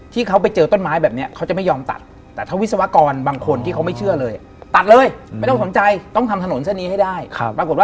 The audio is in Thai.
ที่ตกแต่งเสร็จหมดแล้ว